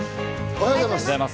おはようございます。